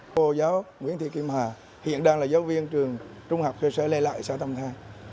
cô giáo nguyễn thị kim hà hiện đang là giáo viên trường trung học cơ sở lê lại xã tâm tha